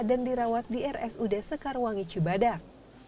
dan dirawat di rs ude sekarwangi cibadak